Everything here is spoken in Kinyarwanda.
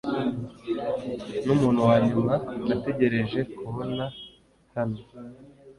numuntu wanyuma nategereje kubona hano